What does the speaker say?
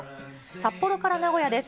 札幌から名古屋です。